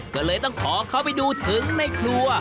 ก็เลยต้องขอเข้าไปดูถึงในครัว